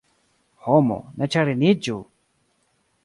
Homo, ne ĉagreniĝu!